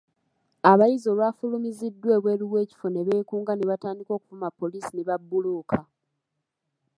Abayizi olwafulumiziddwa ebweru w'ekifo ne beekunga ne batandika okuvuma poliisi ne babbulooka.